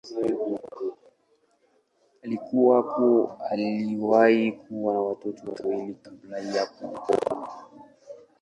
Aliwahi kuwa na watoto wawili kabla ya kuoa.